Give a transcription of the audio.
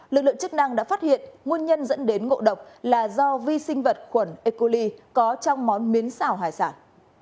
lực lượng chức năng đã phát hiện nguồn nhân dẫn đến ngộ độc là do vi sinh vật khuẩn ecoli có trong món miến xào hải sản